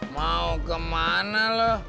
mau kemana lu